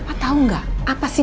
pa tahu gak apa sih